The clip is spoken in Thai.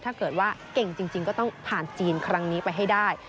ถ้าเกิดว่าเก่งจริงก็ต้องผ่านจีนครั้งนี้ไปให้ได้